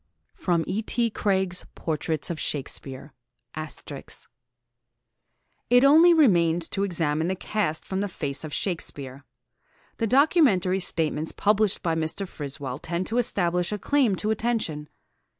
[Sidenote: E. T. Craig's Portraits of Shakespeare. *] "It only remains to examine the cast from the face of Shakespeare. The documentary statements published by Mr. Friswell tend to establish a claim to attention.